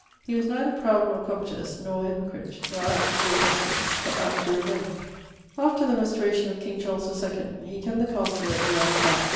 He was neither proud nor covetous, nor a hypocrite: not apt to doe injustice, but apt to revenge. After the restauration of King Charles the Second, he[BY] kept the castle at the Isle of Man[XLIII.